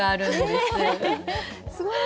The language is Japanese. すごい！